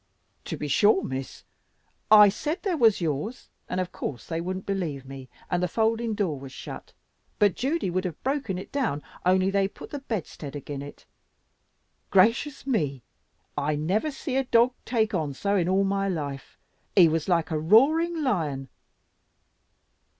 "To be sure, Miss. I said they was yours, and of course they wouldn't believe me, and the folding door was shut, but Judy would have broken it down only they put the bedstead again it. Gracious me! I never see a dog take on so in all my life! He was like a roaring lion."